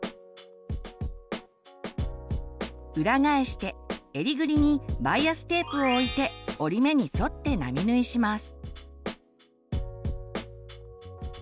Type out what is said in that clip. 裏返して襟ぐりにバイアステープを置いて折り目に沿って並縫いします。